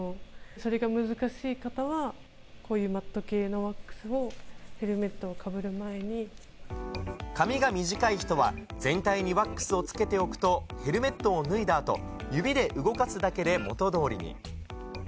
それが難しい方は、こういうマット系のワックスを、ヘルメットを髪が短い人は全体にワックスをつけておくと、ヘルメットを脱いだあと、指で動かすだけで元どおりに。